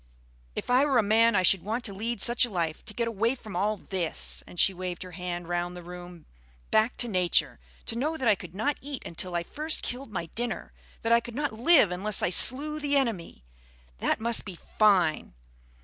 "If I were a man I should want to lead such a life; to get away from all this," and she waved her hand round the room, "back to Nature. To know that I could not eat until I had first killed my dinner; that I could not live unless I slew the enemy! That must be fine!"